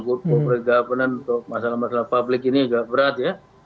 public government masalah masalah publik ini agak berat ya